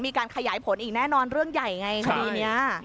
มีการขยายผลอีกแน่นอนเรื่องใหญ่ไงคดีนี้